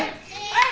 はい！